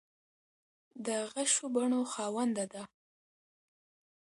د غشو بڼو خاونده ده